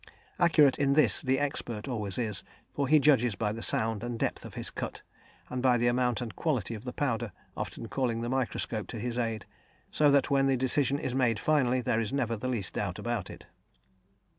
Accurate in this the expert always is, for he judges by the sound and depth of his cut, and by the amount and quality of the powder, often calling the microscope to his aid, so that when the decision is made finally, there is never the least doubt about it.